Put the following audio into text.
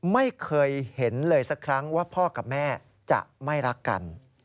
ไม่เคยเห็นเลยสักครั้งว่าพ่อกับแม่จะไม่รักกัน